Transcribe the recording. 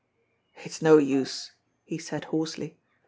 "It's no use!" he sai'd hoarsely.